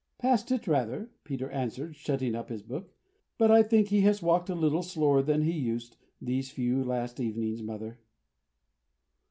"Past it rather," Peter answered, shutting up his book. "But I think he has walked a little slower than he used, these few last evenings, mother."